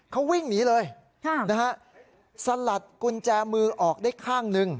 เขาวิ่งหนีเลยสลัดกุญแจมือออกได้ข้างหนึ่ง